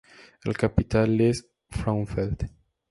La capital es Frauenfeld.